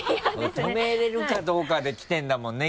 止めれるかどうかで来てるんだもんね